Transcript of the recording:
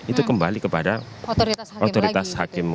itu kembali kepada otoritas hakim